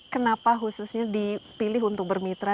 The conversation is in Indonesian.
kenapa khususnya dipilih untuk bermitra